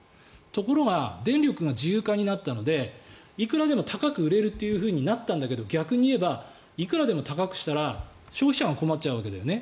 ところが電力が自由化になったのでいくらでも高く売れるとなったんだけど逆に言えばいくらでも高くしたら消費者が困っちゃうわけだよね。